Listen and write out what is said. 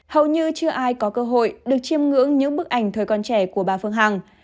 hầu như chưa ai có cơ hội được chiêm ngưỡng những bức ảnh thời con trẻ của bà phương hằng